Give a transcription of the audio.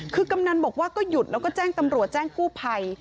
คือกำนันบอกว่าก็หยุดแล้วก็แจ้งตำรวจแจ้งกู้ภัย